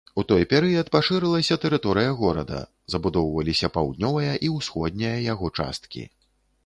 У той перыяд пашырылася тэрыторыя горада, забудоўваліся паўднёвая і ўсходняя яго часткі.